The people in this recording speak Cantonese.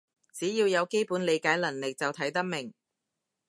只要有基本理解能力就睇得明